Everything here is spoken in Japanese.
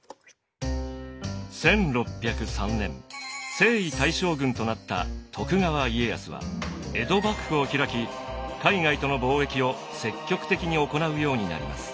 １６０３年征夷大将軍となった徳川家康は江戸幕府を開き海外との貿易を積極的に行うようになります。